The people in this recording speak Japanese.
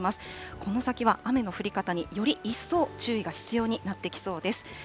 この先は雨の降り方に、より一層注意が必要になってきそうです。